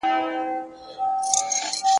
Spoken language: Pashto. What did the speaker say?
ما دي دغه ورځ په دوو سترګو لیدله !.